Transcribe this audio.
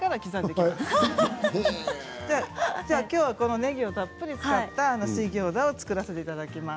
きょうは、このねぎをたっぷり使った水ギョーザを作らせていただきます。